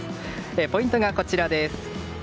ポイントがこちらです。